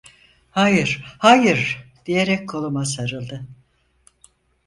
"Hayır, hayır!" diyerek koluma sarıldı.